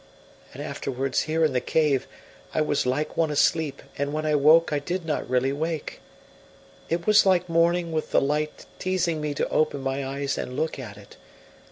And afterwards, here in the cave, I was like one asleep, and when I woke I did not really wake. It was like morning with the light teasing me to open my eyes and look at it.